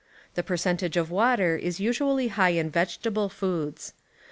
The percentage of water is usually high in vege table foods.